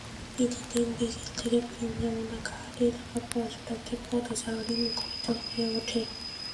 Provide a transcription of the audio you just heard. ঈদের দিন বিকেল থেকে প্রেম-যমুনা ঘাট এলাকা পর্যটকদের পদচারণে মুখরিত হয়ে ওঠে।